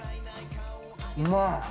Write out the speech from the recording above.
うまい。